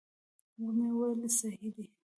ومې ویل صحیح دي.